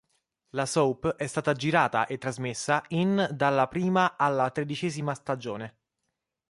La soap è stata girata e trasmessa in dalla prima alla tredicesima stagione.